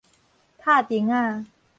拍釘仔